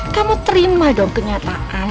kamu terima dong kenyataan